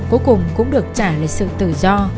cuối cùng cũng được trả lời sự tự do